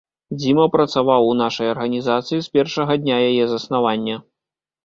Дзіма працаваў у нашай арганізацыі з першага дня яе заснавання.